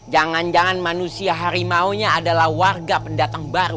jangan jangan manusia harimaunya adalah warga pendatang baru